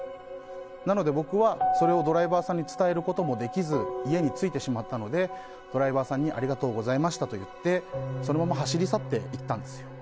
なので僕はそれをドライバーさんに伝えることもできず家に着いてしまったのでドライバーさんにありがとうございましたと言ってそのまま走り去っていったんですよ。